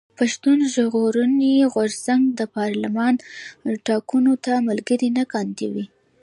پښتون ژغورني غورځنګ د پارلېمان ټاکنو ته ملګري نه کانديدوي.